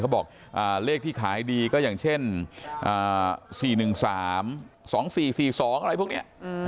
บอกเลขที่ขายดีก็อย่างเช่น๔๑๓๒๔๔๒อะไรพวกนี้